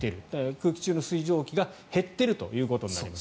空気中の水蒸気が減っているということになります。